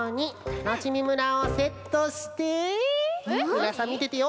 みなさんみててよ。